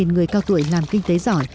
ba người cao tuổi làm kinh tế giỏi